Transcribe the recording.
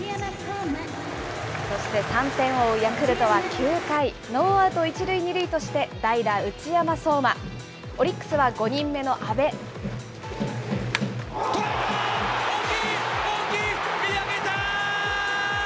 そして３点を追うヤクルトは、９回、ノーアウト１塁２塁として代打、内山壮真。大きい！大きい！見上げた。